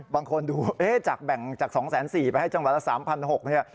บางคนดูเอ๊ะจากแบ่งจาก๒๔๐๐ไปให้จังหวัดละ๓๖๐๐เนี่ย